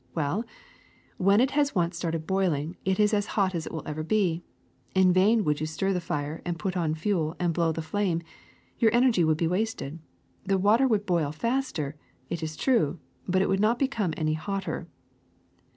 Well, when it has once started boiling it is as hot as it ever will be. In vain would you stir the fire and pile on fuel and blow the flame ; your energy would be wasted. The water would boil faster, it is true, but it would not become any hotter.